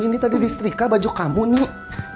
ini tadi di setrika baju kamu nih